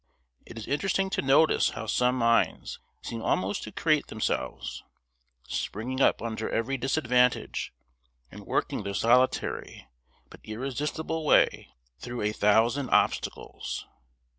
It is interesting to notice how some minds seem almost to create themselves, springing up under every disadvantage, and working their solitary but irresistible way through a thousand obstacles.